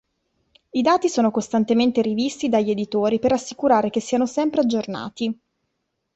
I dati sono costantemente rivisti dagli editori per assicurare che siano sempre aggiornati.